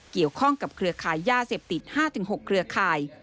เกี่ยวข้องกับเครือขายยาเสพติด๕๖เครือข่าย